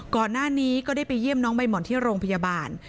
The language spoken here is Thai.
ก่อนหน้านี้ก็ได้ไปเยี่ยมน้องใบหมอนที่โรงพยาบาล